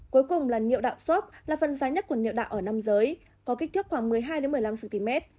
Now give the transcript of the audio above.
cuối cùng là niệu đạo xốp là phần dài nhất của niệu đạo ở nam giới có kích thước khoảng một mươi hai một mươi năm cm